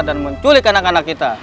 dan menculik anak anak kita